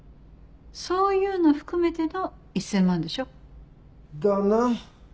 そういうの含めての１０００万でしょ？だな。